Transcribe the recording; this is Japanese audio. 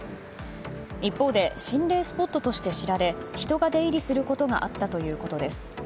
一方で心霊スポットとして知られ人が出入りすることがあったということです。